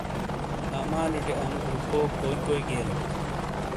اعمالی ٹے انو گروپوں کوئی کوئی گیلیت ؟